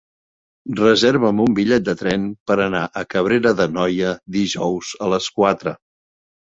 Reserva'm un bitllet de tren per anar a Cabrera d'Anoia dijous a les quatre.